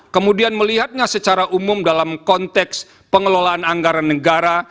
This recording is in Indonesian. kemudian melihatnya secara umum dalam konteks pengelolaan anggaran negara